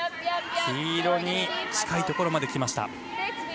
黄色に近いところまできました。